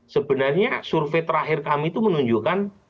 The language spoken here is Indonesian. sebenarnya survei terakhir kami itu menunjukkan